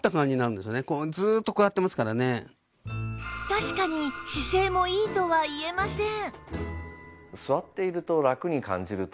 確かに姿勢もいいとは言えません